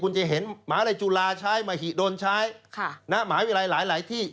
คุณจะเห็นหมาลัยจุฬาใช้มหิดลใช้ค่ะณมหาวิทยาลัยหลายที่